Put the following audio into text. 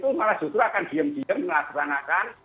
itu malah justru akan diam diam dilaksanakan